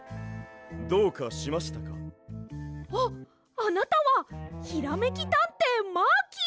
あっあなたはひらめきたんていマーキー！